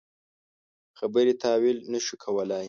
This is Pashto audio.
خبرې تاویل نه شو کولای.